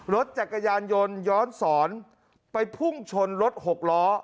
รถจักรยานยนต์ย้อนสอนไปพุ่งชนรถหกล้อ